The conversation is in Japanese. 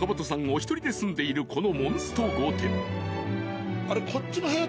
お一人で住んでいるこのモンスト御殿］